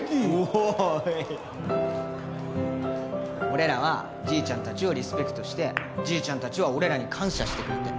俺らはじいちゃんたちをリスペクトしてじいちゃんたちは俺らに感謝してくれて。